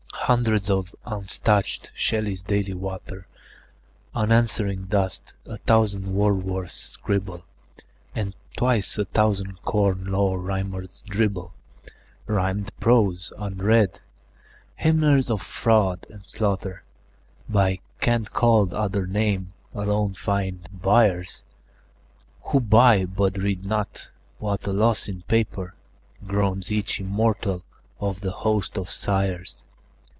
Hundreds of unstaunched Shelleys daily water Unanswering dust; a thousand Wordsworths scribble; And twice a thousand Corn Law Rhymers dribble Rhymed prose, unread. Hymners of fraud and slaughter, By cant called other names, alone find buyers Who buy, but read not. "What a loss in paper," Groans each immortal of the host of sighers!